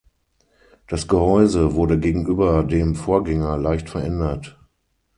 Das Gehäuse wurde gegenüber dem Vorgänger leicht verändert.